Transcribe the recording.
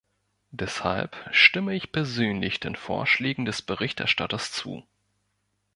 Deshalb stimme ich persönlich den Vorschlägen des Berichterstatters zu.